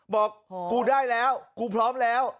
บอกกูได้แล้วกูพร้อมแล้ว